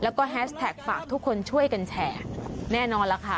แล้วก็แฮชแท็กฝากทุกคนช่วยกันแชร์แน่นอนแล้วค่ะ